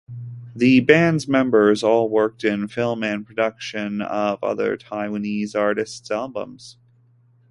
The band's members all worked in film and production of other Taiwanese artists' albums.